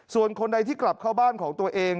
ส่วนคนใดที่กลับเข้าบ้านของตัวเอง